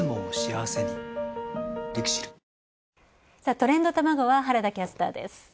「トレンドたまご」は原田キャスターです。